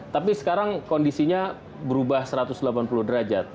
tapi sekarang kondisinya berubah satu ratus delapan puluh derajat